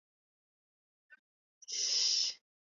他们的作品比较偏重于摇滚乐对乡村音乐的传承。